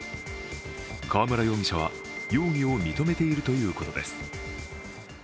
川村容疑者は容疑を認めているということです。